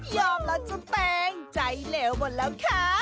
โยบละจุ้นแตงใจเหลวหมดแล้วค้า